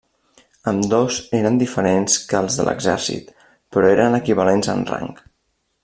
Ambdós eren diferents que els de l'Exèrcit, però eren equivalents en rang.